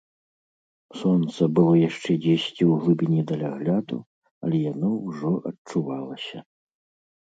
Сонца было яшчэ дзесьці ў глыбіні далягляду, але яно ўжо адчувалася.